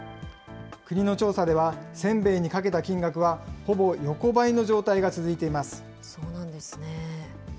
国の調査では、せんべいにかけた金額は、ほぼ横ばいの状態が続いています。